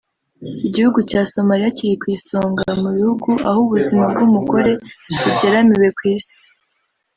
Igihugu cya Somalia kiri ku isonga mu bihugu aho ubuzima bw’umugore bugeramiwe ku isi